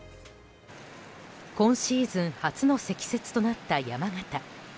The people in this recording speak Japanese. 今シーズン初の積雪となった山形。